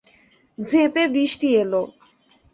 ঝেঁপে বৃষ্টি এলো।